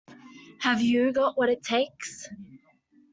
Have you got what it takes?